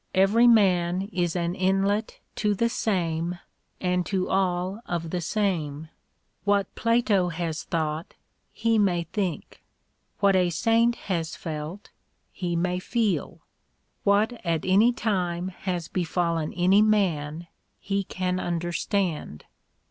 Every man is an inlet to the same and to all of the same. What Plato has thought he may think ; what a Saint has felt he may feel ; what at any time has befallen any man he can understand.